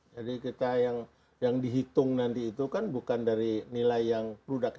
jadi kita yang dihitung nanti itu kan bukan dari nilai yang produk